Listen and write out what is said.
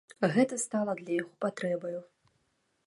Гэта стала для яго патрэбаю.